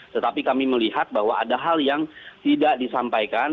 tetapi kami melihat bahwa ada hal yang tidak disampaikan